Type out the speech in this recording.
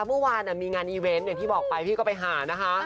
เมื่อวานมีงานอีเวนต์อย่างที่บอกไปพี่ก็ไปหานะคะ